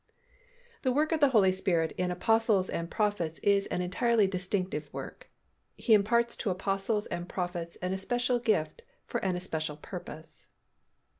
_The work of the Holy Spirit in apostles and prophets is an entirely distinctive work. He imparts to apostles and prophets an especial gift for an especial purpose.